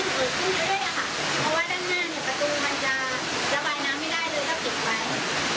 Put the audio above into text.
ด้วยค่ะเพราะว่าด้านหน้าเนี้ยประตูมันจะระบายน้ำไม่ได้เลย